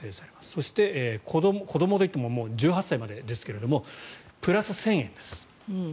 そして、子どもといっても１８歳までですがプラス１０００円です。